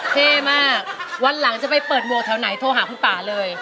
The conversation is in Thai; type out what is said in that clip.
เท่มากวันหลังจะไปเปิดหวกแถวไหนโทรหาคุณป่าเลย